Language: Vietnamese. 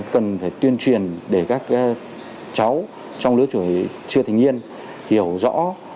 cần phải tuyên truyền để các cháu trong lứa tuổi chưa thành niên hiểu rõ